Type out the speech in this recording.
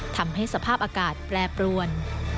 ทำให้สภาพอากาศแปรปรวน